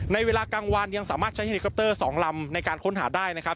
ในเวลากลางวันยังสามารถใช้เฮลิคอปเตอร์๒ลำในการค้นหาได้นะครับ